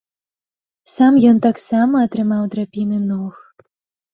Сам ён таксама атрымаў драпіны ног.